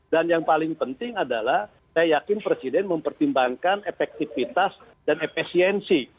dan yang paling penting adalah saya yakin presiden mempertimbangkan efektivitas dan efesiensi